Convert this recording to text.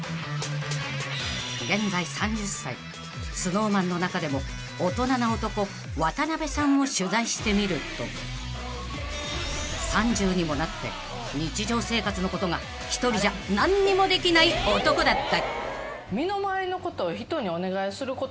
［現在３０歳ＳｎｏｗＭａｎの中でも大人な男渡辺さんを取材してみると３０にもなって日常生活のことが１人じゃ何にもできない男だった］